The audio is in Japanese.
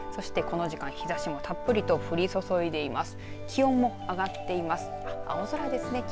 そして、この時間日ざしもたっぷり降り注いでいます。